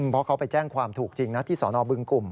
เพราะเขาไปแจ้งความถูกจริงนะที่สนบึงกลุ่ม